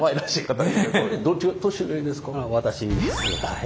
私です。